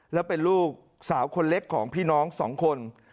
แล้วเป็นลูกสาวคนเล็กของพี่น้อง๒คน